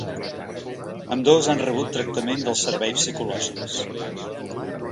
Ambdós han rebut tractament dels serveis psicològics.